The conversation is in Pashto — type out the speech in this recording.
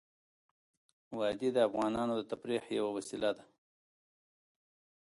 وادي د افغانانو د تفریح یوه وسیله ده.